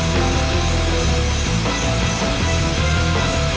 jangan ganggu dia